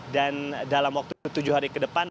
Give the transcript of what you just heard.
dan dalam waktu tujuh hari ke depan